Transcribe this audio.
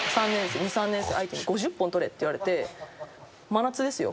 ２３年生相手に５０本取れ」って言われて。